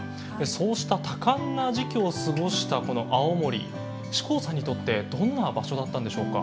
そうした多感な時期を過ごしたこの青森志功さんにとってどんな場所だったんでしょうか？